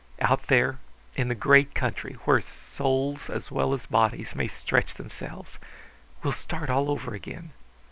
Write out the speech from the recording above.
Out there, in the great country where souls as well as bodies may stretch themselves we'll start all over again.